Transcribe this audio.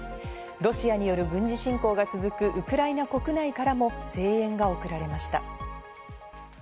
ロシアによる軍事侵攻が続くウクライナ国内からも声援が送られました。